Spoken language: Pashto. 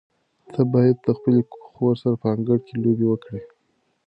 ته باید د خپلې خور سره په انګړ کې لوبې وکړې.